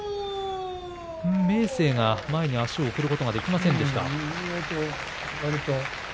明生が前に足を送ることができませんでした。